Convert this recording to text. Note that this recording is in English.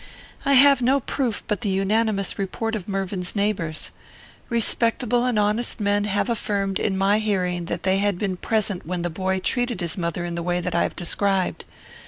"I have no proof but the unanimous report of Mervyn's neighbours. Respectable and honest men have affirmed, in my hearing, that they had been present when the boy treated his mother in the way that I have described.